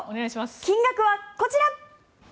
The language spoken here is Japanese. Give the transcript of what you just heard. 金額は、こちら！